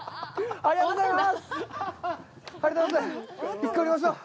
ありがとうございます。